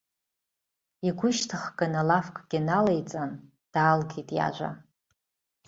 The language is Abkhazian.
Игәышьҭыхганы лафкгьы налеиҵан, даалгеит иажәа.